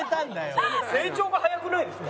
成長が早くないですか？